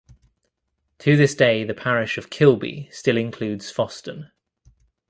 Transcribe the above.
To this day the parish of Kilby still includes Foston.